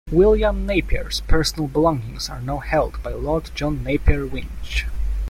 William Napier's personal belongings are now held by Lord John Napier-Winch.